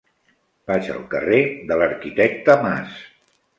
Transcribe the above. Vaig al carrer de l'Arquitecte Mas.